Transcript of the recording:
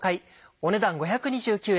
お値段５２９円。